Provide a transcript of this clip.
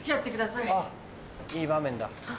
いい場面だ。